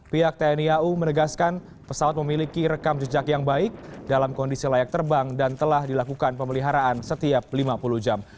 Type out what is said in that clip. pihak tni au menegaskan pesawat memiliki rekam jejak yang baik dalam kondisi layak terbang dan telah dilakukan pemeliharaan setiap lima puluh jam